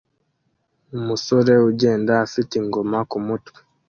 Umusore ugenda afite ingoma kumutwe